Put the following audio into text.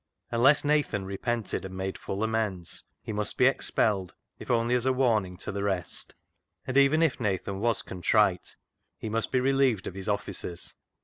Unless Nathan repented and made full amends, he must be expelled, if only as a warning to the rest. And even if Nathan was contrite, he must be relieved of his offices.